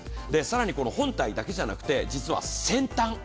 更に本体だけじゃなくて実は先端。